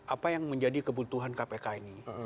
apa yang menjadi kebutuhan kpk ini